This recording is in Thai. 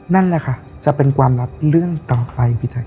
นั่นแหละค่ะจะเป็นความลับเรื่องต่อใครพี่แจ๊